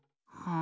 あ！